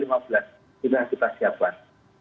itu yang kita siapkan